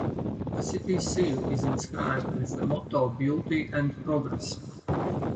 The city seal is inscribed with the motto "Beauty and Progress".